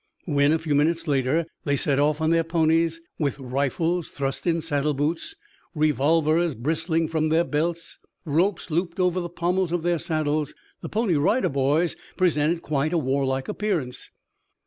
When, a few minutes later, they set off on their ponies, with rifles thrust in saddle boots, revolvers bristling from their belts, ropes looped over the pommels of their saddles, the Pony Rider Boys presented quite a warlike appearance.